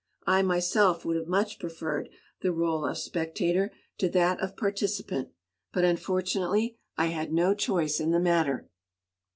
I myself would have much preferred the rôle of spectator to that of participant, but unfortunately I had no choice in the matter.